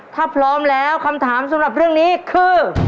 ถ้าพร้อมแล้วคำถามสำหรับเรื่องนี้คือ